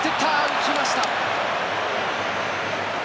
浮きました。